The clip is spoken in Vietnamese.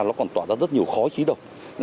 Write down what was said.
nó còn tỏa ra rất nhiều khói khí độc